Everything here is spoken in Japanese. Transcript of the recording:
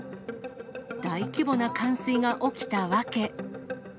大規模な冠水が起きた訳。